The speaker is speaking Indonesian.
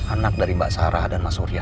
anak dari mbak sarah dan mas surya